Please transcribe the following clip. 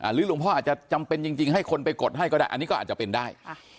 หลวงพ่ออาจจะจำเป็นจริงให้คนไปกดให้ก็ได้อันนี้ก็อาจจะเป็นได้